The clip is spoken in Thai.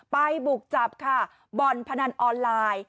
บุกจับค่ะบ่อนพนันออนไลน์